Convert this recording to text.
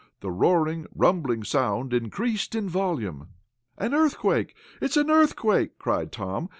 The roaring, rumbling sound increased in volume. "An earthquake! It's an earthquake!" cried Tom.